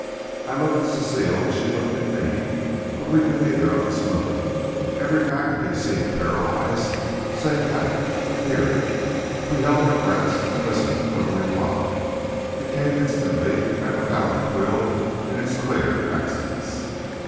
I looked at Cecile and she looked at me, but we could neither of us move. Every faculty seemed paralyzed save that of hearing. We held our breaths and listened for the reply. It came instantly and without a thrill in its clear accents.